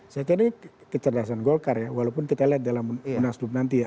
saya kira ini kecerdasan golkar ya walaupun kita lihat dalam munaslup nanti ya